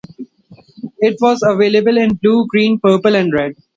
It was available in blue, green, purple and red.